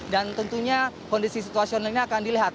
dan tentunya kondisi situasional ini akan dilihat